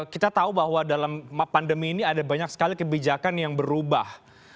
kita tahu bahwa dalam pandemi ini ada banyak sekali kebijakan yang berubah